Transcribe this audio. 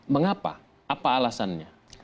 mengapa apa alasannya